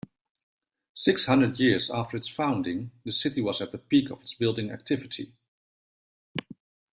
Six hundred years after its founding, the city was at the peak of its building activity.